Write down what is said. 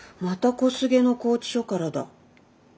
小菅の拘置所からだ。